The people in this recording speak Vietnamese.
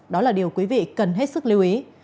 đó là điều quý vị cần hết sức lưu ý